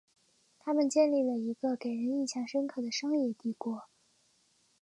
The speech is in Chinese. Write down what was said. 他们建立了一个给人印象深刻的商业帝国。